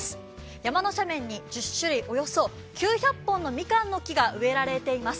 山の斜面に１０種類およそ９００本のみかんの木が植えられています。